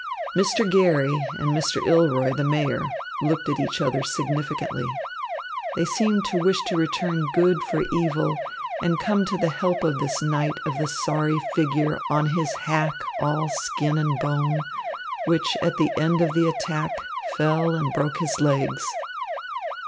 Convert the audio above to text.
Mr. Garry and Mr. Ilroy, the Mayor, looked at each other significantly. They seemed to wish to return good for evil and come to the help of this knight of the sorry figure on his hack all skin and bone, which at the end of the attack fell and broke his legs.